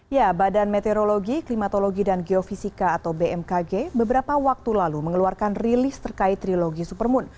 ya badan meteorologi klimatologi dan geofisika atau bmkg beberapa waktu lalu mengeluarkan rilis terkait trilogi supermoon